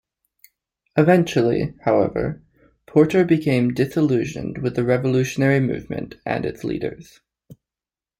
Eventually, however, Porter became disillusioned with the revolutionary movement and its leaders.